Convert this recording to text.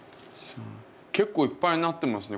結構いっぱいなってますね。